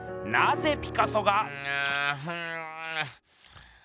なぜピカソが。